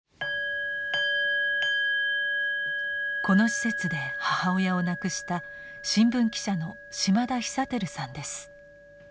この施設で母親を亡くした新聞記者の島田久照さんです。